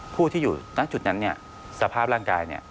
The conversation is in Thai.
ผู้ที่อยู่ในจุดนั้นสภาพร่างกาย